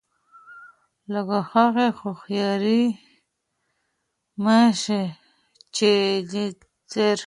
لکه د هغې هوښیارې منشي په څېر.